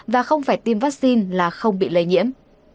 và không phải tiêm vaccine là không bị lây nhiễm